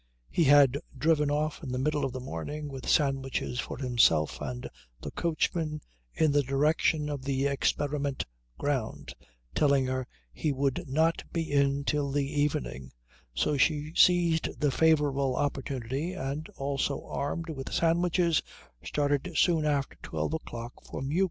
He had driven off in the middle of the morning with sandwiches for himself and the coachman in the direction of the experiment ground, telling her he would not be in till the evening, so she seized the favourable opportunity and, also armed with sandwiches, started soon after twelve o'clock for Meuk.